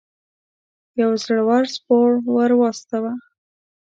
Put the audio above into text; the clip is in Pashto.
یو زړه ور سپور ور واستاوه.